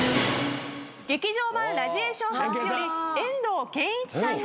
『劇場版ラジエーションハウス』より遠藤憲一さんのせりふです。